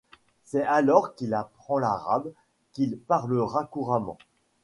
C'est alors qu'il apprend l'arabe qu'il parlera couramment.